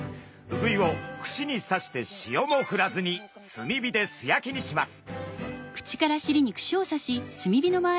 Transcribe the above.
ウグイを串に刺して塩もふらずに炭火で素焼きにします。